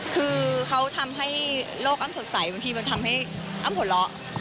คือเขาทำให้โลกอ้ำสดใสบางทีมันทำให้อ้ำหัวเราะ